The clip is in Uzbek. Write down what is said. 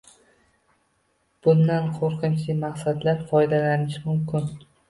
Bundan qoʻrqinchli maqsadlarda foydalanish mumkin